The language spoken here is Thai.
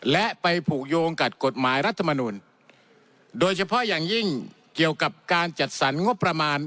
และไปผูกโยงกับกฎหมายรัฐมนุนโดยเฉพาะอย่างยิ่งเกี่ยวกับการจัดสรรงบประมาณ